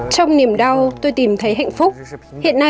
trong niềm đau tôi tìm thấy hạnh phúc